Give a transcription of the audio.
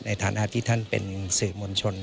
ในฐานะที่ท่านเป็นสื่อมวลชน